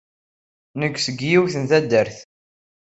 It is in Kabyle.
Nekk seg yiwet n taddart.